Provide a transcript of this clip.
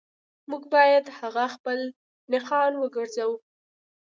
موږ باید هغه خپل نښان وګرځوو